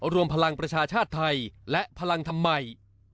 รวมพลังประชาชาติไทยและพลังธรรมใหม่